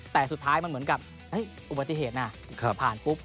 แต่สุดท้ายมันเหมือนกับอุบัติเหตุนะผ่านปุ๊บ